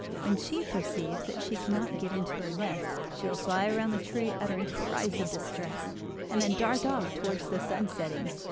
When she perceives that she cannot get into her nest she will fly round the tree uttering cries of distress, and then dart off towards the sun setting.